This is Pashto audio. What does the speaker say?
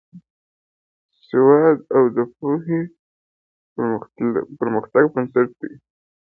سواد او پوهه د پرمختګ بنسټ دی.